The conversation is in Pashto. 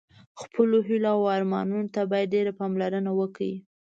خپلو هیلو او ارمانونو ته باید ډېره پاملرنه وکړه.